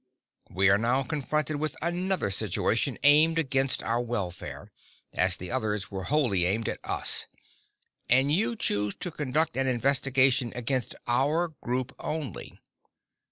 We are now confronted with another situation aimed against our welfare as the others were wholly aimed at us and you choose to conduct an investigation against our group only.